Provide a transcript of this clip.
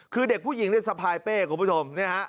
คือเด็กผู้หญิงได้สะพายเบ้ยนะครับทุกคนนี่นะ